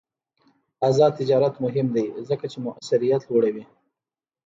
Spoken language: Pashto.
آزاد تجارت مهم دی ځکه چې موثریت لوړوي.